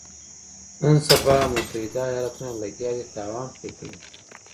نن سبا متحده ایالتونه لګیا دي تاوان پرې کوي.